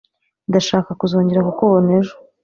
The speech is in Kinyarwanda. Ndashaka kuzongera kukubona ejo.